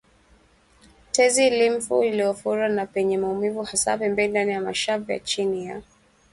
Tezi limfu iliyofura na yenye maumivu hasa pembeni ndani ya mashavu na chini ya